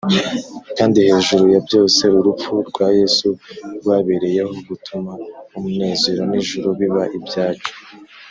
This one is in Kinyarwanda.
kandi hejuru ya byose urupfu rwa yesu rwabereyeho gutuma umunezero n’ijuru biba ibyacu,